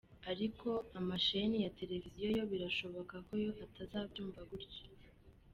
Ariko amasheni ya televiziyo yo birashoboka ko yo atazabyumva gutyo.